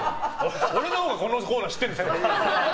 俺のほうがこのコーナー知ってるんですよ！